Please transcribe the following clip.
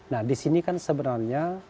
nah disini kan sebenarnya